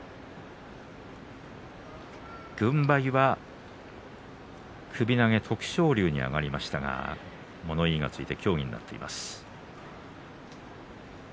軍配は首投げ、徳勝龍に上がりましたが物言いがついて協議になっています。